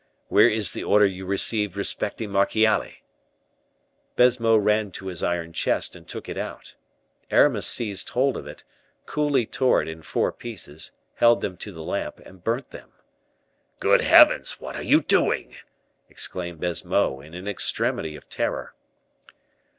Where is the order you received respecting Marchiali?" Baisemeaux ran to his iron chest and took it out. Aramis seized hold of it, coolly tore it in four pieces, held them to the lamp, and burnt them. "Good heavens! what are you doing?" exclaimed Baisemeaux, in an extremity of terror.